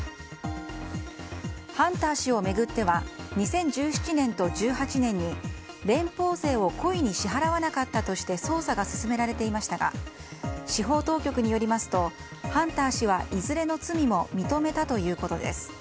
ハンター氏を巡っては２０１７年と２０１８年に連邦税を故意に支払わなかったとして捜査が進められていましたが司法当局によりますとハンター氏は、いずれの罪も認めたということです。